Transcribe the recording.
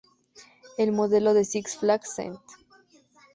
El modelo de Six Flags St.